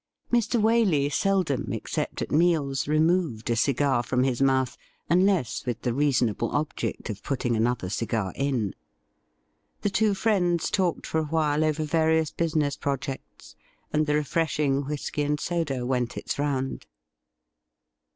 Mr. Waley seldom, except at meals, removed a cigar from his mouth, unless with the reason able object of putting another cigar in. The two friends talked for a while over various business projects, and the refreshing whisky and soda went its round.